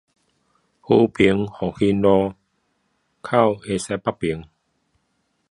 和平復興路口西北側